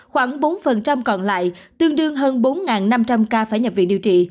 khoảng bốn còn lại tương đương hơn bốn năm trăm linh ca phải nhập viện điều trị